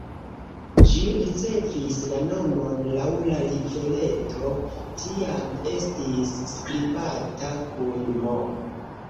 Ĝi ricevis la nomon laŭ la rivereto, tiam estis skribata kun "m".